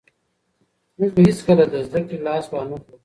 موږ به هېڅکله له زده کړې لاس ونه اخلو.